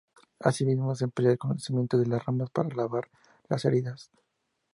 Asimismo, se emplea el cocimiento de las ramas para lavar las heridas.